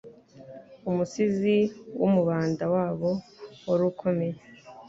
umusizi w'umubanda wabo wari ukomeye